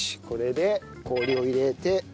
これで氷を入れて。